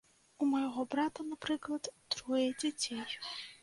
У майго брата, напрыклад, трое дзяцей.